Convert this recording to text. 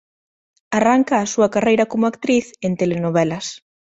Arranca a súa carreira como actriz en telenovelas.